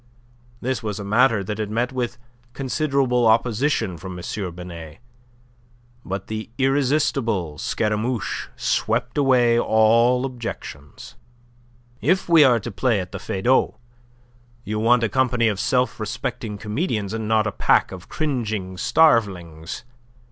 This was a matter that had met with considerable opposition from M. Binet. But the irresistible Scaramouche swept away all objections. "If we are to play at the Feydau, you want a company of self respecting comedians, and not a pack of cringing starvelings.